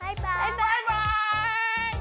バイバイ！